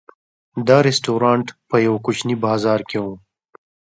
دا رسټورانټ په یوه کوچني بازار کې و.